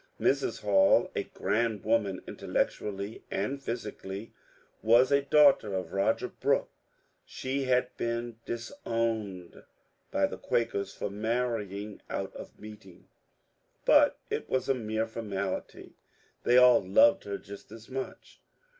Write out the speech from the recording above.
Mrs. Hall, a grand woman intellectually and physically, was a daughter of Roger Brooke. She had been " disowned " by the Quakers for marrying ^^ out of meeting," but it was a mere formality ; they all loved her just as much.